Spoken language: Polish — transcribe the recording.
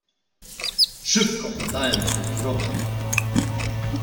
"Szybko udałem się w drogę."